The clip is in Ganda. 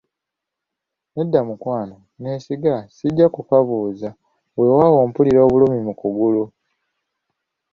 Nedda mukwano, neesiga, sijja kukabuza, weewaawo mpulira obulumi mu kugulu.